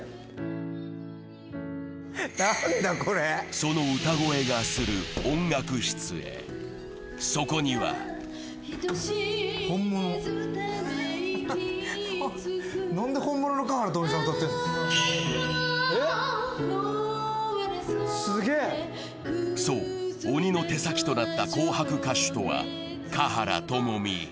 その歌声がする音楽室へ、そこにはそう、鬼の手先となった紅白歌手とは華原朋美。